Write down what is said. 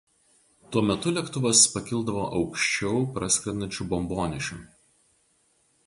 Tuo metu lėktuvas pakildavo aukščiau praskrendančių bombonešių.